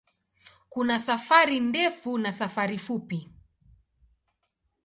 Kuna safari ndefu na safari fupi.